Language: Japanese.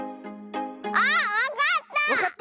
あっわかった！